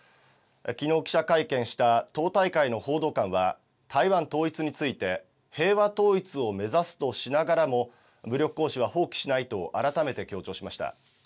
きのう、記者会見した党大会の報道官は、台湾統一について、平和統一を目指すとしながらも、武力行使は放棄しないと改めて強調しました。